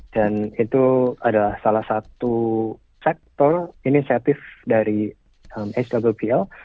dan itu adalah salah satu sektor inisiatif dari hwpl